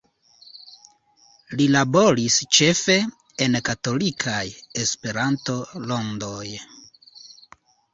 Li laboris ĉefe en katolikaj Esperanto-rondoj.